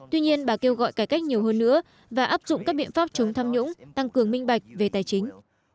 tuy nhiên bà kêu gọi cải cách nhiều hơn nữa và áp dụng các biện pháp chống tham nhũng tăng cường minh bạch về tài chính